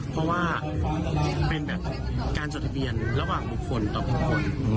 เพราะว่าเป็นแบบการจดทะเบียนระหว่างหมวกฝนต่อพวก